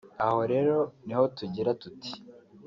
Aha rero niho tugira tuti